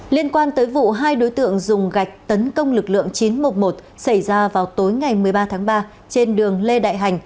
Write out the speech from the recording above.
liên quan tới vụ hai đối tượng dùng gạch tấn công lực lượng chín trăm một mươi một xảy ra vào tối ngày một mươi ba tháng ba trên đường lê đại hành